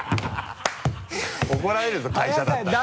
怒られるぞ会社だったら。